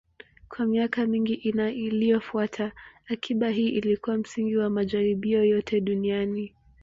Kwa miaka mingi iliyofuata, akiba hii ilikuwa msingi wa majaribio yote duniani.